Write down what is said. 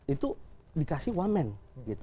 itu dikasih wamen gitu